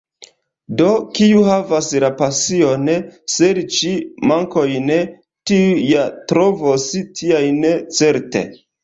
Do, kiu havas la pasion serĉi mankojn, tiu ja trovos tiajn certe.